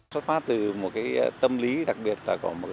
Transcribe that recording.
xuất phát từ một cái tâm lý đặc biệt là có một số bạn trẻ